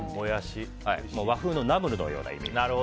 和風のナムルのようなイメージで。